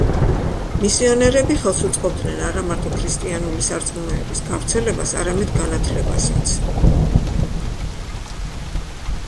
მისიონერები ხელს უწყობდნენ არა მარტო ქრისტიანული სარწმუნოების გავრცელებას, არამედ განათლებასაც.